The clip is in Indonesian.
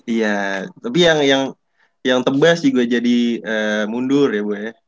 iya tapi yang tebas juga jadi mundur ya bu ya